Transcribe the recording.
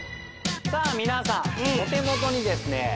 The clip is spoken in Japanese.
さあ皆さんお手元にですね